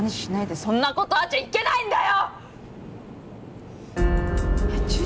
そんなことあっちゃいけないんだよ！」。